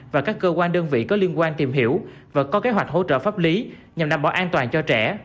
và các cơ quan đơn vị có liên quan tìm hiểu và có kế hoạch hỗ trợ pháp lý nhằm đảm bảo an toàn cho trẻ